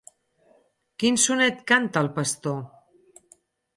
Quin sonet canta el pastor?